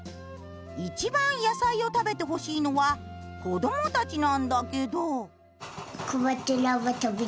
いちばん野菜を食べてほしいのは子どもたちなんだけど。